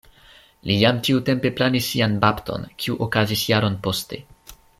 Li jam tiutempe planis sian bapton, kiu okazis jaron poste.